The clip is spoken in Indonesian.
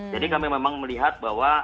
kami memang melihat bahwa